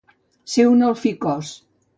Ser un alficòs.